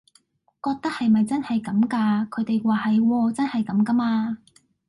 覺得係咪真係咁㗎，佢哋話係喎真係咁㗎嘛